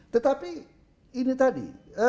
tetapi ini tadi